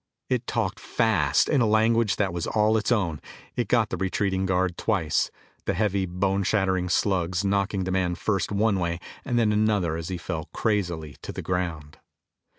It talked fast in a language that was all its own. It got the retreating guard twice, the heavy, bone shattering slugs knocking the man first one way and then another as he fell crazily to the ground.